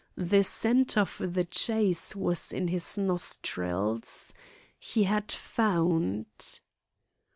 The scent of the chase was in his nostrils. He had "found."